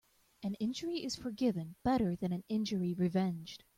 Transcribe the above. An injury is forgiven better than an injury revenged.